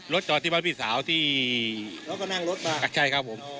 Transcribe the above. รถจอดที่บ้านพี่สาวที่แล้วก็นั่งรถมาอ่ะใช่ครับผมอ๋อ